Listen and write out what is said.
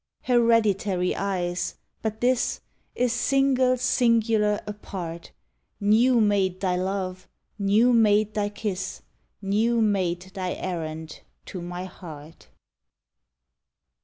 Hereditary eyes! But this Is single, singular, apart:— New made thy love, new made thy kiss, New made thy errand to my heart.